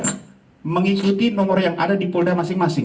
untuk mengikuti nomor yang ada di polda masing masing